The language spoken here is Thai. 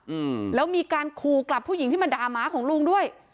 อืมแล้วมีการขู่กลับผู้หญิงที่มาด่าหมาของลุงด้วย